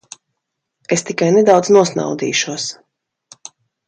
Es tikai nedaudz nosnaudīšos.